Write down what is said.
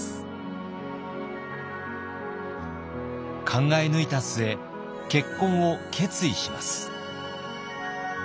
考え抜いた末結婚を決意します。